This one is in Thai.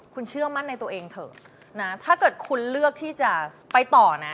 คุณเชื่อมั่นในตัวเองเถอะนะถ้าเกิดคุณเลือกที่จะไปต่อนะ